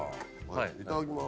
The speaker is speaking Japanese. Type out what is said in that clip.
いただきます。